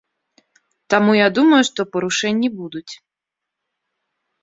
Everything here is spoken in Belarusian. Таму я думаю, што парушэнні будуць.